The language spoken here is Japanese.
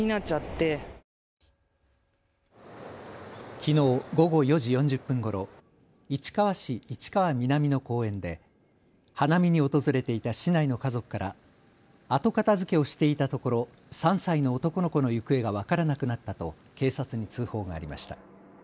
きのう午後４時４０分ごろ、市川市市川南の公園で花見に訪れていた市内の家族から後片づけをしていたところ３歳の男の子の行方が分からなくなったと警察に通報がありました。